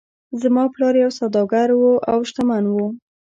زما پلار یو سوداګر و او شتمن و.